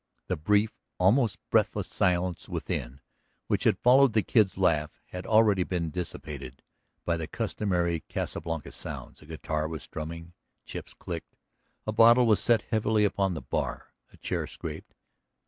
The brief, almost breathless silence within, which had followed the Kid's laugh, had already been dissipated by the customary Casa Blanca sounds; a guitar was strumming, chips clicked, a bottle was set heavily upon the bar, a chair scraped.